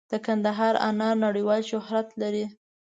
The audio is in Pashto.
د کندهار انار نړیوال شهرت لري.